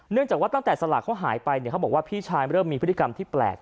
จากว่าตั้งแต่สลากเขาหายไปเขาบอกว่าพี่ชายเริ่มมีพฤติกรรมที่แปลก